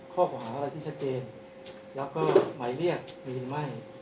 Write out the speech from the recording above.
ข้อหาอะไรที่ชัดเจนแล้วก็หมายเรียกมีหรือไม่